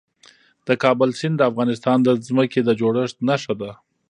د کابل سیند د افغانستان د ځمکې د جوړښت نښه ده.